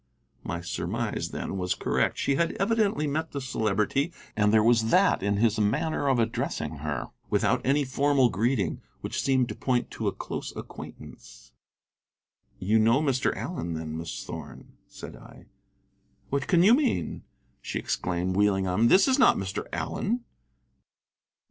My surmise, then, was correct. She had evidently met the Celebrity, and there was that in his manner of addressing her, without any formal greeting, which seemed to point to a close acquaintance. "You know Mr. Allen, then, Miss Thorn?" said I. "What can you mean?" she exclaimed, wheeling on me; "this is not Mr. Allen."